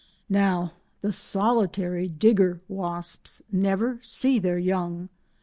Now the solitary "digger" wasps never see their young.